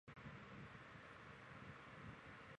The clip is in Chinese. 瓦卢瓦地区贝唐库尔。